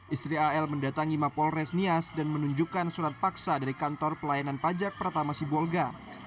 istri al mendatangi mapol resnias dan menunjukkan surat paksa dari kantor pelayanan pajak pratama siboga